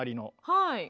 はい。